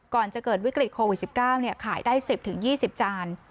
ก่อนจะเกิดวิกฤตโควิดสิบเก้าเนี่ยขายได้สิบถึงยี่สิบจาน